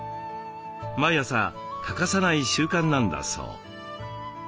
毎朝欠かさない習慣なんだそう。